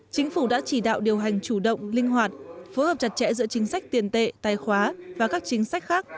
chính phủ đã chỉ đạo điều hành chủ động linh hoạt phối hợp chặt chẽ giữa chính sách tiền tệ tài khóa và các chính sách khác